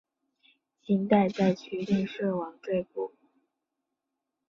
清代在区内设王赘步。